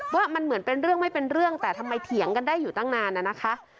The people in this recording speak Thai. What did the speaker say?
ว่ามันเหมือนเป็นเรื่องไม่เป็นเรื่องแต่ทำไมเถียงกันได้อยู่ตั้งนานน่ะนะคะ